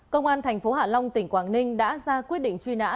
công an thành phố hạ long tỉnh quảng ninh đã ra quyết định truy nã